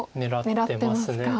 狙ってます。